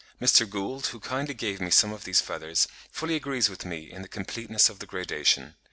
Mr. Gould, who kindly gave me some of these feathers, fully agrees with me in the completeness of the gradation.